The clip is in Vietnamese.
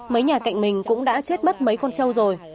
mấy nhà cạnh mình cũng đã chết mất mấy con trâu rồi